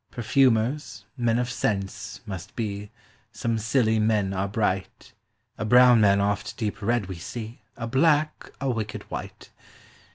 Perfumers, men of scents must be, some Scilly men are bright; A brown man oft deep read we see, a black a wicked wight.